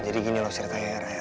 eh jadi gini loh ceritain ya raya